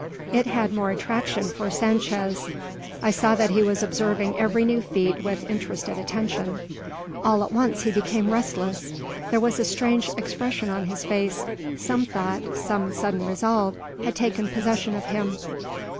It had more attraction for Sanchez. I saw that he was observing every new feat with interested attention. All at once he became restless. There was a strange expression on his face; some thought, some sudden resolve, had taken possession of him.